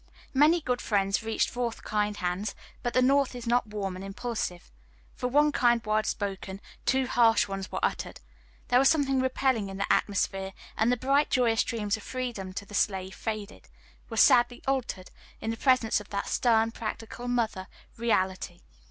Many good friends reached forth kind hands, but the North is not warm and impulsive. For one kind word spoken, two harsh ones were uttered; there was something repelling in the atmosphere, and the bright joyous dreams of freedom to the slave faded were sadly altered, in the presence of that stern, practical mother, reality.